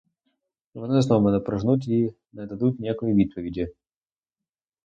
Вони знов мене проженуть і не дадуть ніякої відповіді.